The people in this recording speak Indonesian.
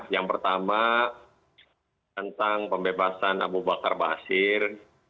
yang pertama tentang pembebasan abu bakar basir